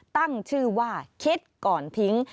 ตั้งชื่อว่าคิดก่อนทิ้ง